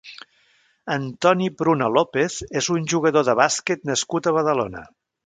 Antoni Pruna López és un jugador de bàsquet nascut a Badalona.